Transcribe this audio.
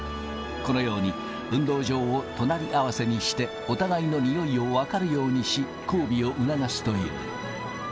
このように、運動場を隣り合わせにして、お互いのにおいを分かるようにし、交尾を促すという。